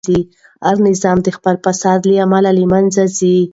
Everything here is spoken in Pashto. هر نظام د خپل فساد له امله له منځه ځي.